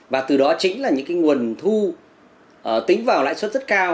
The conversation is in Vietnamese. và từ đó chính là những nguồn thu tính vào lãi suất rất cao